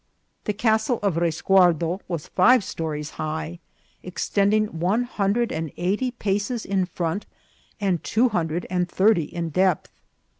The castle of Resguardo was five stories high, extending one hundred and eighty paces in front, and two hundred and thirty in depth.